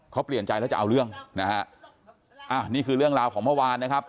เขาเปลี่ยนใจแล้วจะเอาเรื่องนะฮะอ่านี่คือเรื่องราวของเมื่อวานนะครับ